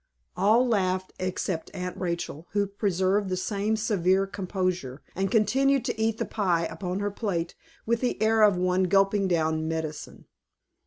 All laughed except Aunt Rachel, who preserved the same severe composure, and continued to eat the pie upon her plate with the air of one gulping down medicine.